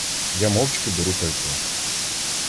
Я мовчки беру пальто.